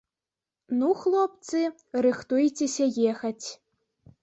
Ну, хлопцы, рыхтуйцеся ехаць.